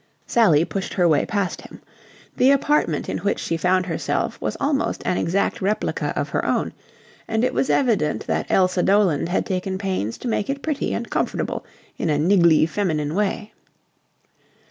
Sally pushed her way past him. The apartment in which she found herself was almost an exact replica of her own, and it was evident that Elsa Doland had taken pains to make it pretty and comfortable in a niggly feminine way.